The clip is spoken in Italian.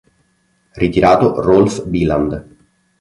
Ritirato Rolf Biland.